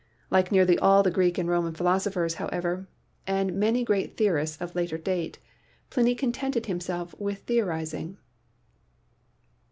Like nearly all the Greek and Roman philosophers, however, and many great theorists of later date, Pliny con tented himself with theorizing.